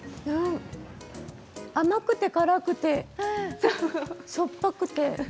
甘くて辛くてしょっぱくて。